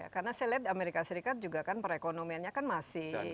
karena saya lihat amerika serikat juga kan perekonomianya kan masih